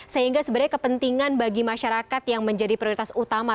sehingga sebenarnya kepentingan bagi masyarakat yang menjadi prioritas utama